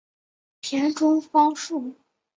田中芳树。